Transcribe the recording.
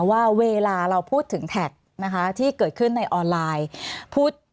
ว่าเวลาเราพูดถึงแท็กนะคะที่เกิดขึ้นในออนไลน์